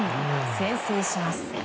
先制します。